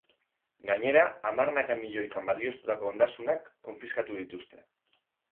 Gainera hamarnaka milioitan balioztatutako ondasunak konfiskatu dituzte.